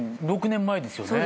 ６年前ですよね？